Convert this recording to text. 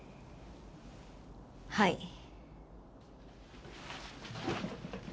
はい。